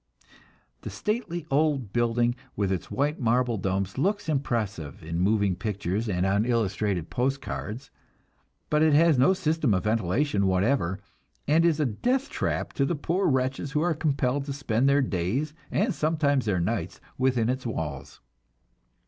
The stately old building with its white marble domes looks impressive in moving pictures and on illustrated postcards, but it has no system of ventilation whatever, and is a death trap to the poor wretches who are compelled to spend their days, and sometimes their nights, within its walls.